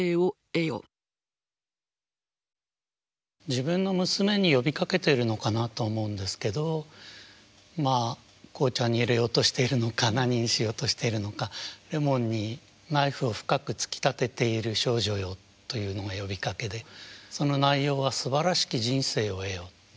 自分の娘に呼びかけてるのかなと思うんですけどまあ紅茶に入れようとしてるのか何にしようとしてるのか「レモンにナイフを深く突き立てている少女よ」というのが呼びかけでその内容は「素晴らしき人生を得よ」。